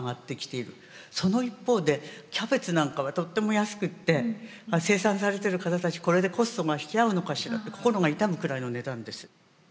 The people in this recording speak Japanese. その一方でキャベツなんかはとっても安くて生産されてる方たちこれでコストが引き合うのかしらって心が痛むくらいの値段です。